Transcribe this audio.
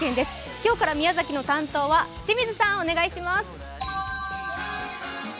今日から宮崎の担当は清水さん、お願いします。